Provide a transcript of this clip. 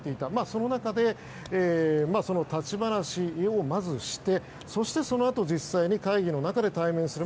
その中で立ち話をしてそして、そのあと実際に会議の中で対面する。